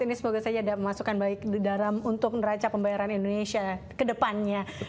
ini semoga saja ada masukan baik di dalam untuk neraca pembayaran indonesia ke depannya